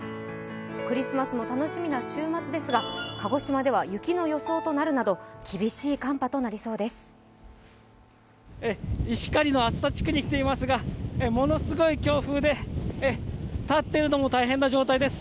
クリスマスも楽しみな週末ですが、鹿児島では雪の予想となるなど、厳しい寒波となりそうです。